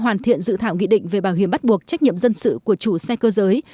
hoàn thiện dự thảo nghị định về bảo hiểm bắt buộc trách nhiệm dân sự của chủ xe cơ giới